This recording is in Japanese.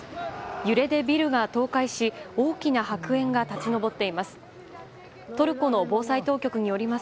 揺れでビルが倒壊し大きな白煙が立ち上っています。